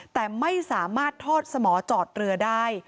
แต่ไม่สามารถทอดสมอจอดเรือได้